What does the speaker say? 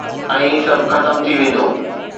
۽ سڀ ختم ٿي ويندو